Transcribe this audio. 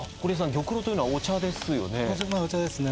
玉露というのはお茶ですよねお茶ですね